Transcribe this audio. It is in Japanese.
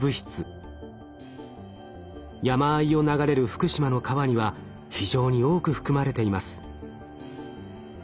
山あいを流れる福島の川には非常に多く含まれています。